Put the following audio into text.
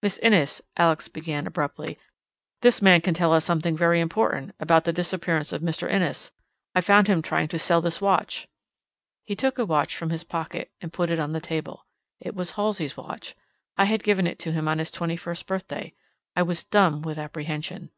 "Miss Innes," Alex began abruptly, "this man can tell us something very important about the disappearance of Mr. Innes. I found him trying to sell this watch." He took a watch from his pocket and put it on the table. It was Halsey's watch. I had given it to him on his twenty first birthday: I was dumb with apprehension.